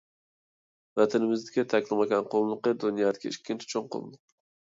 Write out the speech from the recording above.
ۋەتىنىمىزدىكى تەكلىماكان قۇملۇقى — دۇنيادىكى ئىككىنچى چوڭ قۇملۇق.